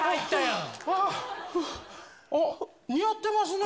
似合ってますね。